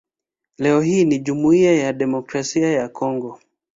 Leo hii ni Jamhuri ya Kidemokrasia ya Kongo.